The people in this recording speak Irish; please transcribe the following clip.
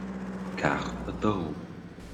Ceacht a Dó